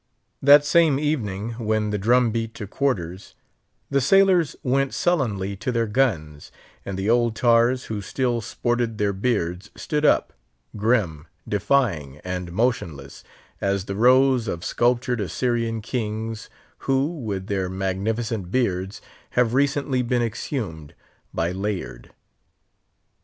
That same evening, when the drum beat to quarters, the sailors went sullenly to their guns, and the old tars who still sported their beards stood up, grim, defying, and motionless, as the rows of sculptured Assyrian kings, who, with their magnificent beards, have recently been exhumed by Layard.